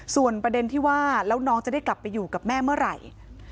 ส่วนประเด็นที่ว่าแล้วน้องจะได้กลับไปอยู่กับแม่เมื่อไหร่